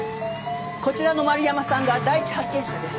こちらの丸山さんが第一発見者です。